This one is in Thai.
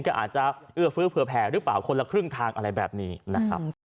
ก็อาจจะเอื้อฟื้อเผื่อแผลหรือเปล่าคนละครึ่งทางอะไรแบบนี้นะครับ